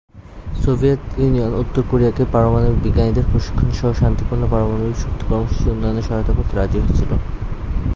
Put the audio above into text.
Soviet Union উত্তর কোরিয়াকে পারমাণবিক বিজ্ঞানীদের প্রশিক্ষণ সহ শান্তিপূর্ণ পারমাণবিক শক্তি কর্মসূচী উন্নয়নের সহায়তা করতে রাজি হয়েছিল।